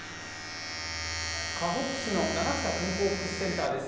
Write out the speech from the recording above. かほく市の七塚健康福祉センターです。